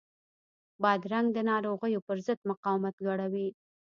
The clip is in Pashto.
بادرنګ د ناروغیو پر ضد مقاومت لوړوي.